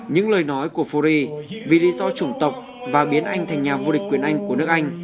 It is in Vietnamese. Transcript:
những lời nói của fury vì lý do chủng tộc và biến anh thành nhà vua địch quyền anh của nước anh